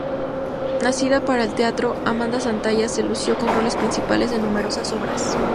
Nacida para el teatro, Amanda Santalla se lució con roles principales en numerosas obras.